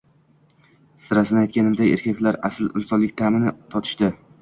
Sirasini aytganda, erkaklar asl insonlik ta’mini totishdi